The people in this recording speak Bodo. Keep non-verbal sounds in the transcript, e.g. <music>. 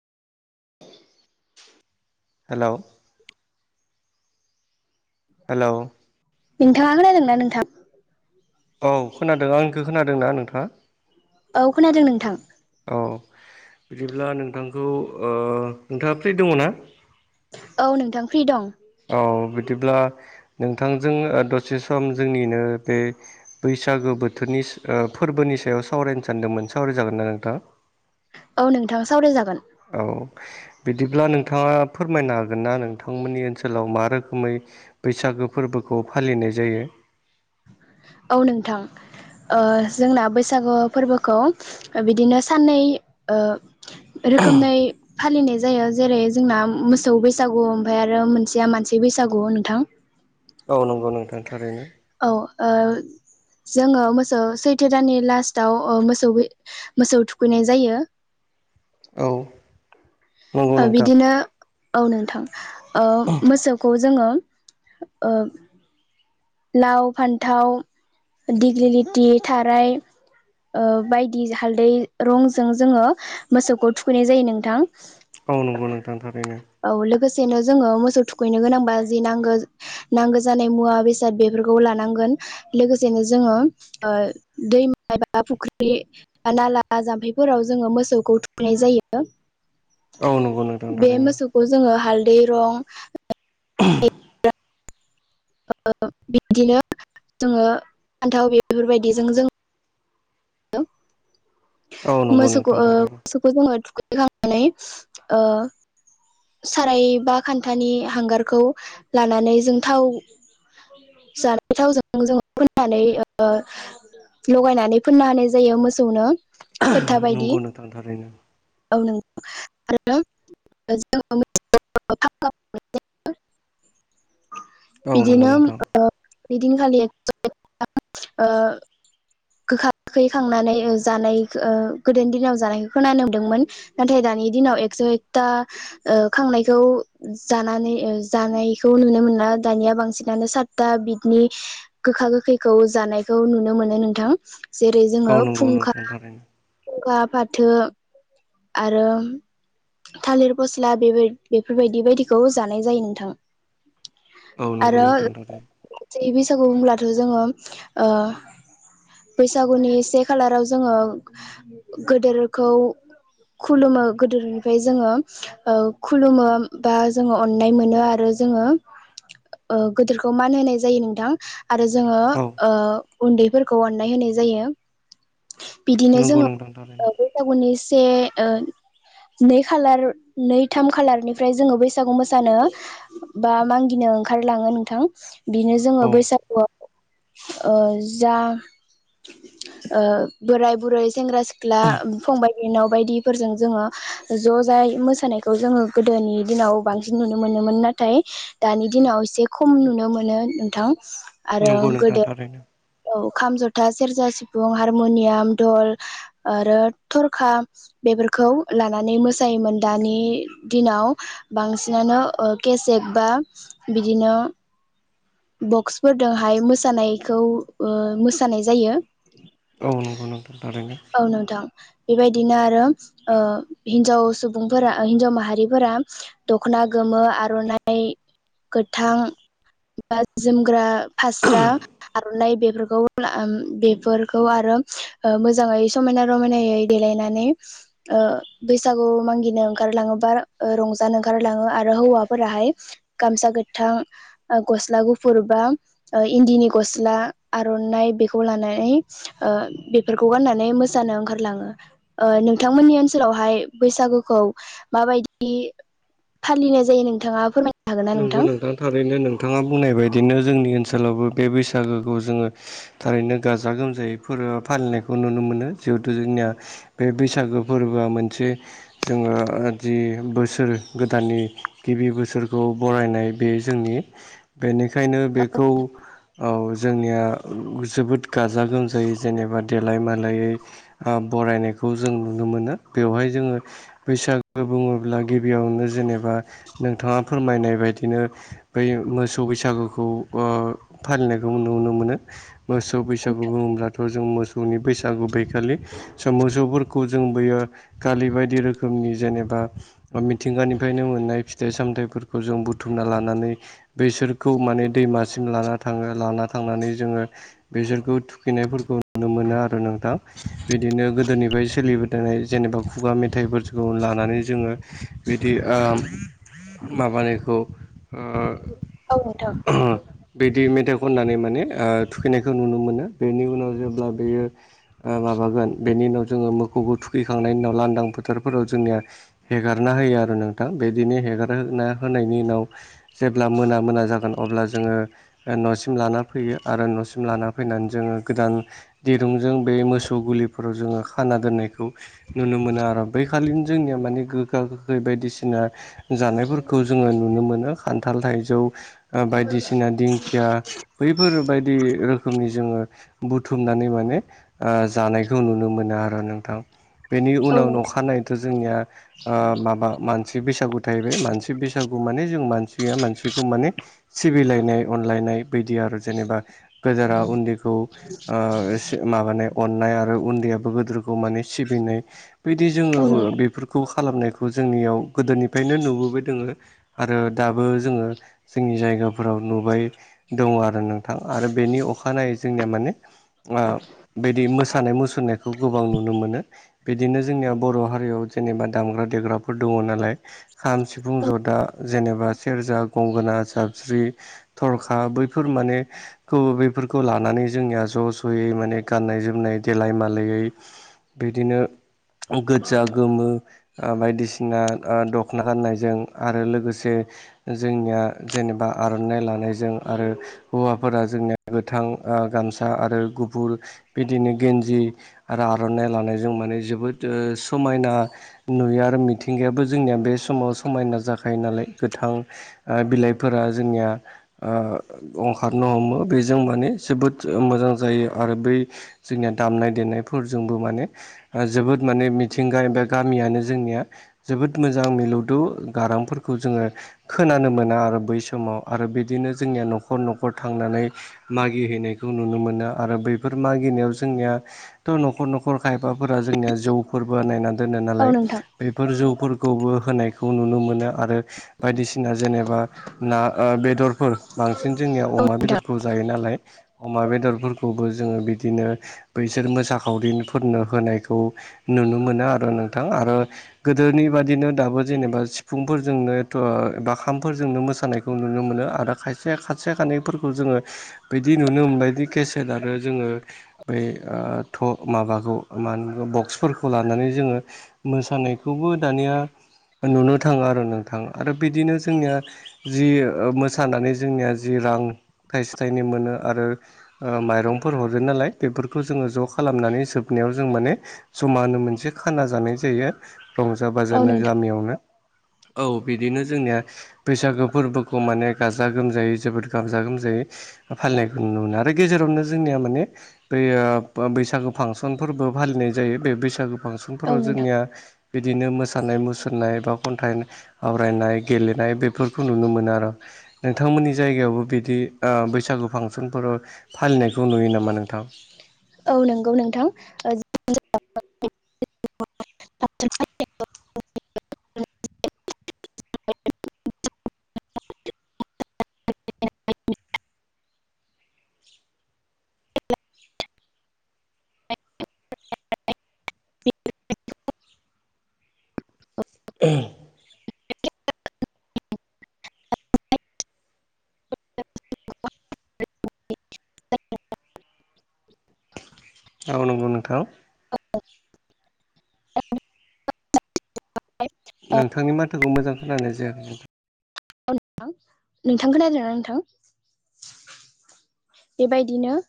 हेल' हेल' नोंथाङा खोनादों ना नोंथां औ खोनादों आंखौ खोनादों ना नोंथाङा? औ खोनादों नोंथां औ बिदिब्ला नोंथांखौ ओ नोंथाङा फ्रिट दङ ना? औ नोंथां फ्रि दं औ बिदिब्ला नोंथांजों दसे सम जोंनिनो बे बैसागो बोथोरनि फोरबोनि सायाव सावरायनो सानदोंमोन सावरायजागोनना नोंथां औ नोंथाङा सावरायजागोन औ बिदिब्ला नोंथाङा फोरमायनो हागोन ना नोंथांमोननि ओनसोलाव मा रोखोमै बैसागो फोरबोखौ फालिनाय जायो। औ नोंथां ओ जोंना बैसागु फोरबोखौ बिदिनो साननै ओ रोखोमनै फालिनाय जायो जेरै जोंना मोसौ बैसागु ओमफ्राय आरो मोनसेया मानसि बैसागु नोंथां औ नंगौ नोंथां थारैनो औ ओ जोङो मोसौ सैथो दानि लास्टाव मोसौ मोसौ थुखैनाय जायो। औ नंगौ ओ नोंथां बिदिनो औ नोंथां ओ मोसौखौ जोङो ओ लाव फान्थाव दिग्लि लिथि थाराय ओ बायदि हालदै रंजों जोङो मोसौखौ थुखैनाय जायो नोंथां। औ नंगौ नोंथां थारैनो औ लोगोसेनो जोङो मोसौ थुखैनो गोनांबा जि नांगौ नांगौ जानाय मुवा बेसाद बेफोरखौ लानांगोन लोगोसेनो ओ जोङो दैमा एबा फुख्रि बा नाला जाम्फैफोराव जोङो मोसौखौ थुखैनाय जायो। औ नंगौ नोंथां बे थारैनो मोसौखौ जोङो हालदै रं <inaudible> ओ बिदिनो जोङो फान्थाव बेफोरबायदिजों जों औ नंगौ मोसौखौ नोंथां थारैनो मोसौखौ जोङो थुखैखांनानै साराय बा खान्थानि हांगारखौ लानानै जों थाव जानाय थावजों जोङो फोननानै लगायनानै फोननो हानाय जायो मोसौनो खोथा बायदि नंगौ नोंथां थारैनो औ नोंगौ आरो <unintelligible> औ नंगौ बिदिनो नोंथां ओ <unintelligible> दिनखालि खखोैखांनानै जानाय गोदोनि दिनाव जानायखौ खोना नुदोंमोन नाथाय दानि दिनाव एकस' एकथा खांनायखौ जानानै जानायखौ नुनो मोना दानिया बांसिनानो सातता बिदिनि गोखा गोखैखौ जानायखौ नुनो मोनो नोंथां जेरै औ जोङो नंगौ फुंखा नोंथां थारैनो खुंखा फाथो आरो थालिर फस्ला बे बेफोरबायदि बायदिखौ जानाय जायो नोंथां औ नंगौ नोंथां गासै बैसागु बुंब्लाथ' जोङो बैसागुनि से खालाराव जोङो गेदेरखौ खुलुमो गोदोनिफ्राय जोङो खुलुमो बा जोङो अननाय मोनो आरो जोङो गोदोरखौ मान होनाय जायो नोंथां आरो जोङो औ ओ उन्दैफोरखौ अननाय होनाय जायो बिदिनो नंगौ नोंथां थारैनो जोङो बैसागुनि से ओ नै खालार नै थाम खालारनिफ्राय जोङो बैसागु मोसानो बा मागिनो ओंखारलाङो नोंथां बिनो औ जोङो बैसागुआव जा बोराय बुरै सेंग्रा सिख्ला फंबाय नाव बायदिफोरजों जोङो ज' जाय मोसानायखौ जोङो गोदोनि दिनाव बांसिन बि नुनो मोनोमोन नाथाय दानि दिनाव एसे खम नुनो मोनो नोंथां आरो नंगौ नोंथां गोदो थारैनो खाम जथा सेरजा सिफुं हारमुनियाम धल आरो थरखा बेफोरखौ लानानै मोसायोमोन दानि दिनाव बांसिनानो केसेक बा बिदिनो बक्सफोरदोहाय मोसानायखौ मोसानाय जायो औ नंगौ नोंथां थारैनो औ नोंथां बेबायदिनो आरो ओ हिन्जाव सुबुंफोरा हिन्जाव माहारिफोरा दख'ना गोमो आर'नाइ गोथां बा जोमग्रा फास्रा आर'नाइ बेफोरखौ बेफोरखौ आरो मो मोजाङै समायना रमायनायै देलायनानै ओ बैसागु मांगिनो ओंखारलाङो बा रंजानो ओंखारलाङो आरो हौवाफोराहाय गामसा गोथां गस्ला गुफुर बा इन्दिनि गस्ला आर'नाइ बेखौ लानानै ओ बेफोरखौ गाननानै मोसानो ओंखारलाङो ओ नोंथांमोननि ओनसोलावहाय बैसागुखौ माबायदि फालिनाय जायो नोंथाङा फोरमायनो हागोन ना नंगौ नोंथां थारैनो नोंथाङा बुंनाय बायदिनो जोंनि ओनसोलावबो बे बैसागोखौ जोङो थारैनो गाजा गोमजायै फोर फालिनायखौ नुनो मोनो जिहेथु जोंनिया बे बैसागो फोरबोआ मोनसे जोङो जि बोसोर गोदाननि गिबि बोसोर खौ बरायनाय बे जोंनि बेनिखायनो बेखौ औ जोंनिया जोबोद गाजा गोमजायै जेनेबा देलाय मालायै बरायनायखौ जों नुनो मोनो बेवहाय जोङो बैसागो बुङोब्ला गिबियावनो जेनेबा नोंथाङा फोरमायनाय बायदिनो बै मोसौ बैसागुखौ ओ फालिनायखौ नुनो मोनो मोसौ बैसागु बुङोब्ला थ' जों मोसौनि बैसागु बैखालि स' मोसौफोरखौ जों बैयो खालि बायदि रोखोमनि जेनेबा मिथिंगानिफ्रायनो मोननाय फिथाइ सामथाइ फोरखौ जों बुथुमना लानानै बैसोरखौ माने दैमासिम लाना थाङो लाना थांनानै जोङो बेसोरखौ थुखैनायफोरखौ नुनो मोनो आरो नोंथां बिदिनो गोदोनिफ्राय सोलिबाय थानाय जेनेबा खुगा मेथाइफोरखौ लानानै जोङो बिदि ओम माबानायखौ ओ औ नोंथां <inaudible> बिदि मेथाइ खननानै माने थुखैनायखौ नुनो मोनो बेनि उनाव जेब्ला बेयो माबागोन बेनि उनाव जोङो मोखौखो थुखैखांनायनि उनाव लांदां फोथारफोराव जोंनिया हेगारना होयो आरो नोंथां बेदिनो हेगारा होनायनि उनाव जेब्ला मोना मोना जागोन अब्ला जोङो न'सिम लाना फैयो आरो न'सिम लाना फैनानै जोङो गोदान दिरुंजों बे मोसौ गुलिफोराव जोङो खाना दोननायखौ नुनो मोनो आरो बै खालिनो जोंनिया माने गोखा गोखै बायदिसिना जानायफोरखौ जोङो नुनो मोनो खान्थाल थाइजौ बायदिसिना दिंखिया बैफोरबायदि रोखोमनि जोङो बुथुमनानै माने आ जानायखौ नुनो मोनो आरो नोंथां बेनि औ उनाव नखानायैथ' जोंनिया आ माबा मानसि बैसागु <unintelligible> मानसि बैसागु माने जों मानसिया मानसिखौ माने सिबिलायनाय अनलायनाय बैदि आरो जेनेबा गोदोरा उन्दैखौ आ माबानाय अननाय आरो उन्दैयाबो गोदोरखौ माने सिबिनाय बिदि जोङो नोंथां बेफोरखौ खालामनायखौ जोंनियाव गोदोनिफ्रायनो नुबोबाय दोङो आरो दाबो जोङो जोंनि जायगाफोराव नुबाय दङ आरो नोंथां आरो बेनि अखानायै जोंनिया माने बिदि मोसानाय मुसुरनायखौ गोबां नुनो मोनो बिदिनो जोंनिया बर' हारियाव जेनेबा दामग्रा देग्राफोर दङ नालाय खाम सिफुं जदा जेनेबा सेरजा गंगोना साबस्रि थरखा बै बेफोर माने खौ बेफोरखौ लानानै जोंनिया ज' ज'यै माने गाननाय जोमनाय देलाय मालायै बिदिनो गोजा गोमो बायदिसिना दख दखना गान्नायजों आरो लोगोसे जोंनिया जेनेबा आर'नाइ लानायजों आरो हौवाफोरा जोंनिया गोथां गामसा आरो गुफुर बिदिनो गेन्जि आरो आर'नाइ लानायजों माने जोबोद समायना नुयो आरो मिथिंगायाबो जोंनिया बे समाव समायना जाखायो नालाय गोथां ओ बिलाइफोरा जोंनिया ओ ओंखारनो हमो बेजों माने जोबोद मोजां जायो आरो बै जोंनिया दामनाय देनायफोरजोंबो माने जोबोद माने मिथिंगा एबा गामियानो जोंनिया जोबोद मोजां मिलु गारांफोरखौ जोङो खोनानो मोना आरो बै समाव आरो बिदिनो जोंनिया न'खर न'खर थांनानै मागि हैैनायखौ नुनो मोनो आरो बै बे मागिनायाव जोंनिया' न'खर न'खर खायफाफोरा जोंनिया जौ फोरबो नायनानै दोनो औ नोंथां औ नालाय नोंथां औ नोंथां बेफोर जौफोरखौबो होनायखौ नुनो मोनो आरो बायदिसिना जेनेबा ना ओ बेदरफोर बांसिन जोंनियाव अमा बेदरखौ जायो नालाय अमा बेदरफोरखौबो जोङो बिदिनो बैसोर मोसाखावरिफोरनो होनायखौ नुनो मोनो आरो नोंथां आरो गोदोनि बादिनो दाबो जेनेबा सिफुंफोरजोंनोथ'बा खामफोरजोंनो मोसानायखौ नुनो मोनो आरो खायसे खासे खासे खानैफोरखौ जोङो बिदि नुनो मोनबायदि केसेट आरो जोङो बै ओ थप माबाखौ मा होनो बक्सफोरखौ लानानै जोङो मोसानायखौबो दानिया नुनो थाङो आरो नोंथाङा आरो बिदिनो जोंनिया जि मोसानानै जोंनिया जि रां थाइसे थाइनै मोनो आरो माइरंफोर हरो नालाय बेफोरखौ जोङो ज' खालामनानै जोबनायाव जों माने जमा होनो मोनसे खाना जानाय जायो रंजा औ बाजानो नोंथां गामियावनो औ बिदिनो जोंनिया बैसागो फोरबोखौ माने गाजा गोमजायै जोबोद गाजा गोमजायै फालिनायखौ नुनो मोनो आरो गेजेरावनो जोंनिया माने बेयो बैसागु फांसन फोरबो फालिनाय जायो बे बैसागु औ फांसनफोराव नोंथां जोंनिया बिदिनो मोसानाय मुसुरनाय बा खन्थाइ आवरायनाय गेलेनाय बेफोरखौ नुनो मोनो आरो नोंथांमोननि जायगायावबो बिदि ओ बैसागु फांसनफोर फालिनायखौ नुयो नामा नोंथां औ नंगौ नोंथां <unintelligible> ओ <unintelligible> औ नंगौ नोंथां <unintelligible> नोंथांनि माथोखौ मोजां खोननाय जायाखै ज नोंथां नोंथां खोनादोंना नोंथां बेबायदिनो